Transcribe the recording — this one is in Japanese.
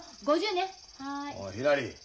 おいひらり。